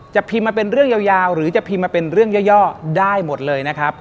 พิมพ์มาเป็นเรื่องยาวหรือจะพิมพ์มาเป็นเรื่องย่อได้หมดเลยนะครับ